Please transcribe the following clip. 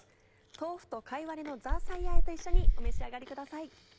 「豆腐と貝割れのザーサイあえ」と一緒にお召し上がりください。